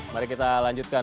mari kita lanjutkan